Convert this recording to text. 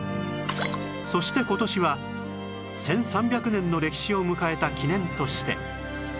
そして今年は１３００年の歴史を迎えた記念として